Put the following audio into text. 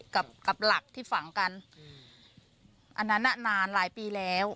กับกับหลักที่ฝังกันอืมอันนั้นน่ะนานหลายปีแล้ว